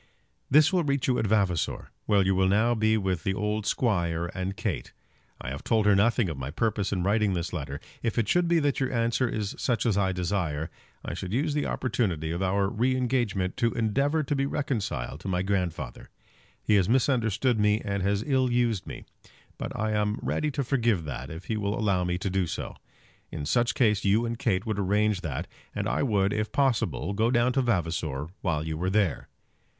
This will reach you at Vavasor, where you will now be with the old squire and Kate. I have told her nothing of my purpose in writing this letter. If it should be that your answer is such as I desire, I should use the opportunity of our re engagement to endeavour to be reconciled to my grandfather. He has misunderstood me and has ill used me. But I am ready to forgive that, if he will allow me to do so. In such case you and Kate would arrange that, and I would, if possible, go down to Vavasor while you are there.